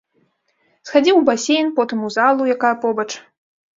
Схадзіў у басейн, а потым у залу, якая побач.